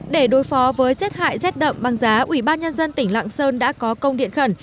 để đối phó với rét hại rét đậm băng giá ủy ban nhân dân tỉnh lạng sơn đã có công điện khẩn